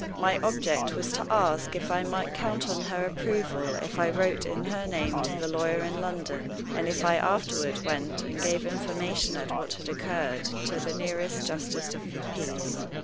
My object was to ask if I might count on her approval if I wrote in her name to the lawyer in London, and if I afterward went and gave information of what had occurred to the nearest justice of the peace.